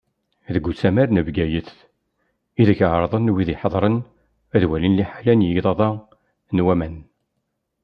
Deg usamar n Bgayet, ideg ɛerḍen wid iḥeḍren ad walin liḥala n yigḍaḍ-a n waman.